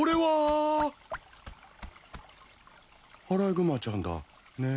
アライグマちゃんだね。